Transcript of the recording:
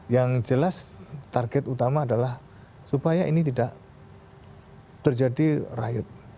yang jelas target utama adalah supaya ini tidak terjadi rayut